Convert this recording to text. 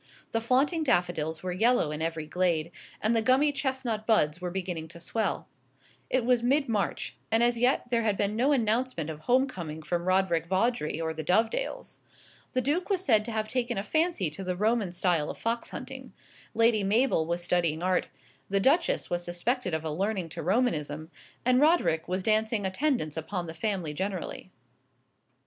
The flaunting daffodils were yellow in every glade, and the gummy chestnut buds were beginning to swell. It was mid March, and as yet there had been no announcement of home coming from Roderick Vawdrey or the Dovedales. The Duke was said to have taken a fancy to the Roman style of fox hunting; Lady Mabel was studying art; the Duchess was suspected of a leaning to Romanism; and Roderick was dancing attendance upon the family generally.